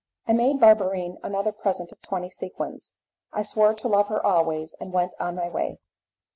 I made Barberine another present of twenty sequins, I swore to love her always, and went on my way.